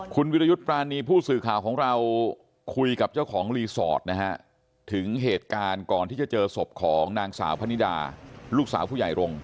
คุณวิรยุทธ์ปรานีผู้สื่อข่าวของเราคุยกับเจ้าของรีสอร์ทนะฮะถึงเหตุการณ์ก่อนที่จะเจอศพของนางสาวพนิดาลูกสาวผู้ใหญ่รงค